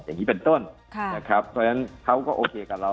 อย่างนี้เป็นต้นค่ะนะครับเพราะฉะนั้นเขาก็โอเคกับเรา